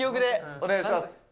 お願いします。